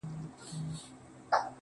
سپوږمۍ ترې وشرمېږي او الماس اړوي سترگي.